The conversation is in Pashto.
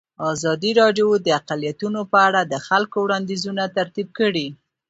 ازادي راډیو د اقلیتونه په اړه د خلکو وړاندیزونه ترتیب کړي.